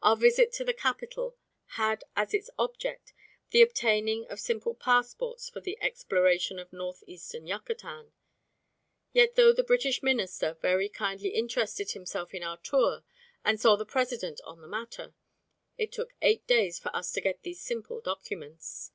Our visit to the capital had as its object the obtaining of simple passports for the exploration of North eastern Yucatan. Yet, though the British Minister very kindly interested himself in our tour and saw the President on the matter, it took eight days for us to get these simple documents.